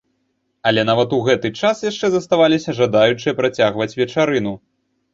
Але нават у гэты час яшчэ заставаліся жадаючыя працягваць вечарыну.